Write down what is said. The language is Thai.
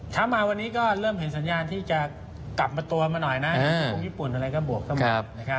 ถ้ามาวันนี้ก็เริ่มเห็นสัญญาณที่จะกลับมาตัวมาหน่อยนะและทุกญี่ปุ่นอะไรก็บวกกันหมดนะครับ